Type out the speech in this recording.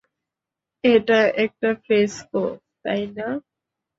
এটা একটা ফ্রেস্কো, তাই না?